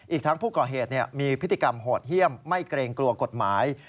อีกทั้งผู้ก่อเหตุมีพฤติกรรมโหดเยี่ยมไม่เกรงกลัวกฎหมาย